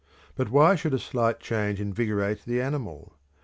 But why should a slight change invigorate the animal?